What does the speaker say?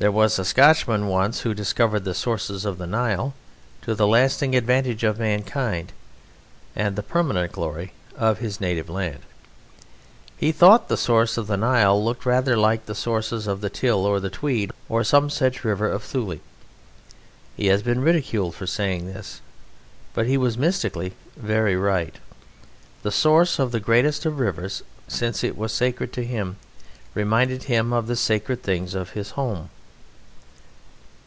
There was a Scotchman once who discovered the sources of the Nile, to the lasting advantage of mankind and the permanent glory of his native land. He thought the source of the Nile looked rather like the sources of the Till or the Tweed or some such river of Thule. He has been ridiculed for saying this, but he was mystically very right. The source of the greatest of rivers, since it was sacred to him, reminded him of the sacred things of his home.